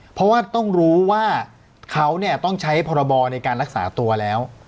เพราะว่าต้องรู้ว่าเขาต้องใช้พรบในการรักษาตัวแล้ว